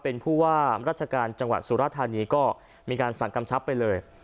เป็นผู้ว่าราชการจังหวัดสุรธานีก็มีการสั่งกำชับไปเลย